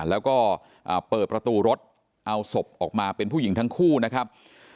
แล้วก็เปิดประตูรถเอาศพออกมาเป็นผู้หญิงทั้งคู่นะครับ